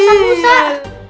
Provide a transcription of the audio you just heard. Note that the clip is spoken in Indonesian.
oh sat musa